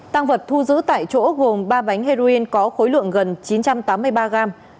tăng vật thu giữ tại chỗ gồm ba bánh heroin có khối lượng gần chín trăm tám mươi ba gram